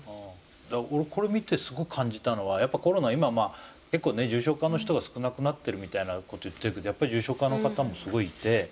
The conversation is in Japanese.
俺これ見てすごい感じたのはやっぱコロナ今まあ結構ね重症化の人が少なくなってるみたいなこと言ってるけどやっぱり重症化の方もすごいいて。